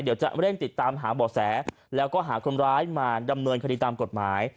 เดี๋ยวจะเร่งติดตามหาบ่อแสแล้วก็หาคนร้ายมาดำเนินคดีตามกฎหมาย